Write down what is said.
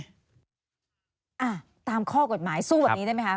อ่ะตามข้อกฎหมายสู้แบบนี้ได้ไหมคะ